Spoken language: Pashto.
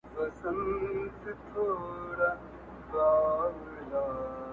هره شېبه درس د قربانۍ لري!!